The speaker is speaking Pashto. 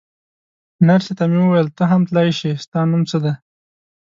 نرسې ته مې وویل: ته هم تلای شې، ستا نوم څه دی؟